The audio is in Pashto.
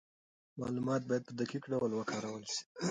معلومات باید په دقیق ډول وکارول سي.